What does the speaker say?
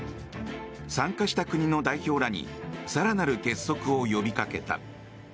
参加した国の代表らに更なる結束を呼び掛けた。